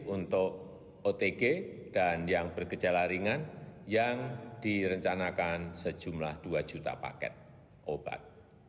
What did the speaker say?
untuk otg dan yang bergejala ringan yang direncanakan sejumlah dua juta paket obat